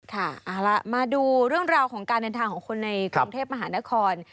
ค่ะเอาล่ะมาดูเรื่องราวของการเดินทางของคนในกรุงเทพมหานคร